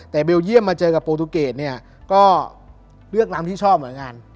แต่เบลเยี่ยมมาเจอกับโปรตูเกตเนี่ยก็เลือกตามที่ชอบเหมือนกัน